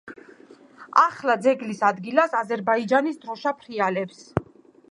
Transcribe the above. ახლა ძეგლის ადგილას აზერბაიჯანის დროშა ფრიალებს.